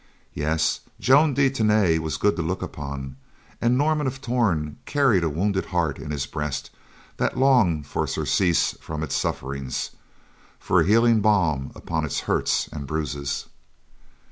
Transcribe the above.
Yes, Joan de Tany was good to look upon, and Norman of Torn carried a wounded heart in his breast that longed for surcease from its sufferings—for a healing balm upon its hurts and bruises.